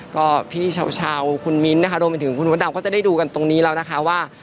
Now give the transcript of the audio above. ก็พี่เช้าคุณมิ้นท์นะคะรวมไปถึงคุณมดดำก็จะได้ดูกันตรงนี้แล้วนะคะว่า